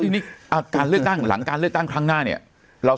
ทีนี้การเลือกตั้งหลังการเลือกตั้งครั้งหน้าเนี่ย